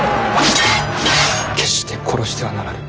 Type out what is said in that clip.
決して殺してはならぬ。